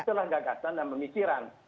itulah gagasan dan pemikiran